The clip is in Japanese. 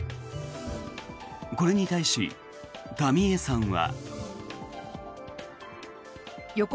これに対し、民江さんは。